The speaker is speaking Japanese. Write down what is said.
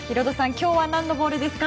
今日は何のボールですか？